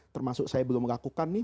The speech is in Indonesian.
termasuk saya belum melakukan nih